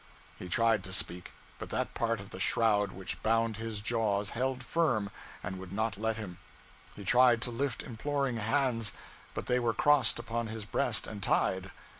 He tried to speak, but that part of the shroud which bound his jaws, held firm and would not let him. He tried to lift imploring hands, but they were crossed upon his breast and tied.